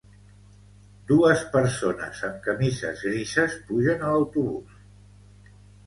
Dues persones amb camises grises pugen a l'autobús.